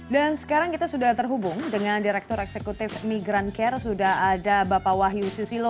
dan sekarang kita sudah terhubung dengan direktur eksekutif migrancare sudah ada bapak wahyu susilo